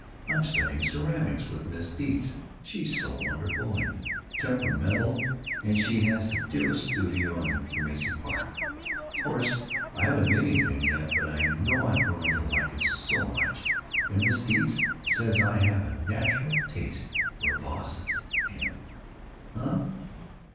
I'm studying ceramics with Miss Deitz, she's so wonderful and temperamental and she has the dearest studio on Gramercy Park. Of course I haven't made anything yet, but I know I'm going to like it so much, and Miss Deitz says I have a natural taste for vahzes and——" "Huh?